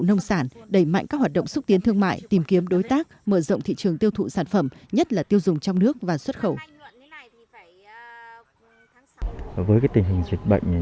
nông sản đẩy mạnh các hoạt động xúc tiến thương mại tìm kiếm đối tác mở rộng thị trường tiêu thụ sản phẩm nhất là tiêu dùng trong nước và xuất khẩu